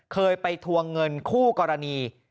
เคยไปทวงเงินคู่กรณี